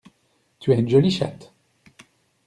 Tu as une jolie chatte!